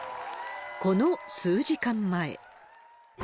この数時間前。